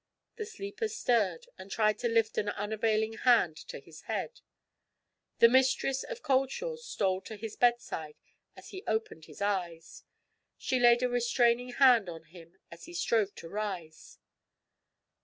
The sleeper stirred and tried to lift an unavailing hand to his head. The mistress of Cauldshaws stole to his bedside as he opened his eyes. She laid a restraining hand on him as he strove to rise.